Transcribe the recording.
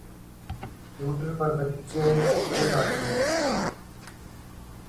Twitter پر بچے خود آتے ہیں